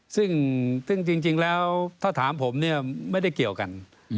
ซึ่งจริงแล้วถ้าถามผมเนี่ยไม่ได้เกี่ยวกัน